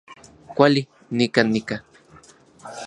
Kuali, nikan nika